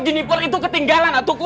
jeniper itu ketinggalan atuh kum